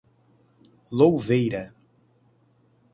Louveira